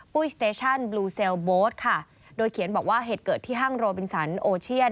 สเตชั่นบลูเซลโบ๊ทค่ะโดยเขียนบอกว่าเหตุเกิดที่ห้างโรบินสันโอเชียน